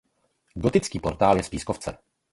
Gotický portál je z pískovce.